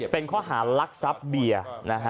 เป็นข้อหารักทรัพย์เบียร์